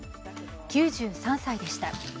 ９３歳でした。